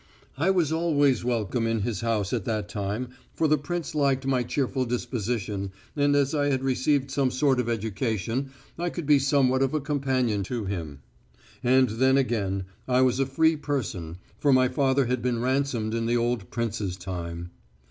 I was always welcome in his house at that time, for the prince liked my cheerful disposition, and as I had received some sort of education I could be somewhat of a companion to him. And then again, I was a free person, for my father had been ransomed in the old prince's time.